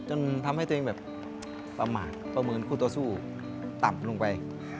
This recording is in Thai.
จนทำให้ตัวเองแบบประหมาประเหมือนผู้ตัวสู้ต่ำลงไป